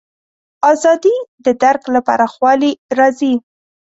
ازادي د درک له پراخوالي راځي.